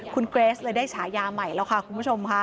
คุณเกรสเลยได้ฉายาใหม่แล้วค่ะคุณผู้ชมค่ะ